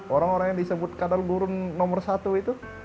orang orang yang disebut kadal burun nomor satu itu